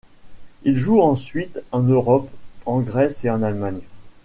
Il joue ensuite en Europe, en Grèce et en Allemagne.